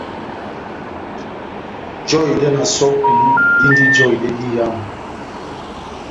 Jɛhedɛ na sɔ́pi dindi jɔhedɛ diyamu.